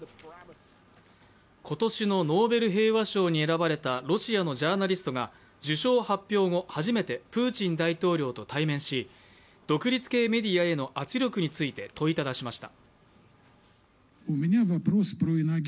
今年のノーベル平和賞に選ばれたロシアのジャーナリストが受賞発表後初めてプーチン大統領と対面し独立系メディアへの圧力について問いただしました。